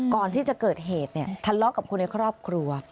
ก่อนที่จะเกิดเหตุเนี่ยทะเลาะกับคนในครอบครัว